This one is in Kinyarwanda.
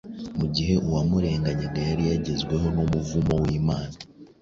mu gihe uwamurenganyaga yari yagezweho n’umuvumo w’Imana.